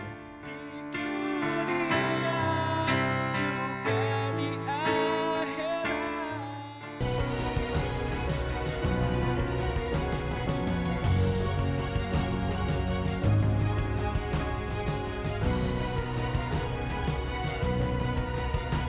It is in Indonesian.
baju kerja sudah rapi